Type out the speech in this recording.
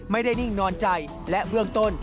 ไม่ได้นิ่งนอนใจและเวืองต้น